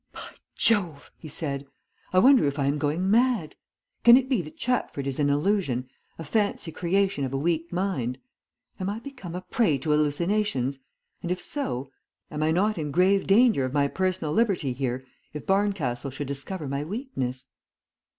"By Jove!" he said; "I wonder if I am going mad. Can it be that Chatford is an illusion, a fanciful creation of a weak mind? Am I become a prey to hallucinations, and if so, am I not in grave danger of my personal liberty here if Barncastle should discover my weakness?"